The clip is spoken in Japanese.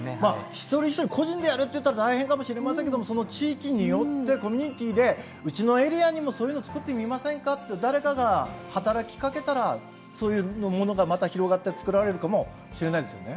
一人一人個人でやるっていったら大変かもしれませんけどもその地域によってコミュニティーでうちのエリアにもそういうのつくってみませんかって誰かが働きかけたらそういうものがまた広がってつくられるかもしれないんですよね。